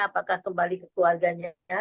apakah kembali ke keluarganya